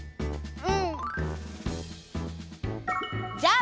うん。